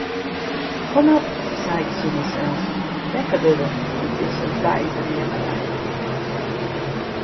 Kom op, sei ik tsjin mysels, wekker wurde út dizze deidreamerij.